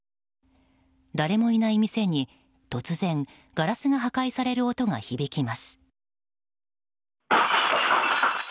誰もいない店に突然、ガラスが破壊される音が響きます。